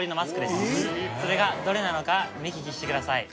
それがどれなのか目利きしてください。